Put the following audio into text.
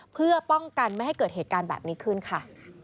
เพื่อป้องกันไม่ให้เกิดเหตุการณ์แบบนี้ขึ้นค่ะ